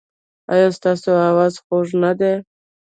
ایا ستاسو اواز خوږ نه دی؟